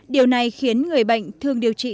điều này khiến người bệnh thường điều trị